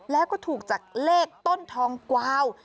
แล้วก็ถูกจากเลขต้นทองกวาว